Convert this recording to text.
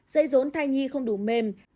dây rốn thai nhi không đủ mềm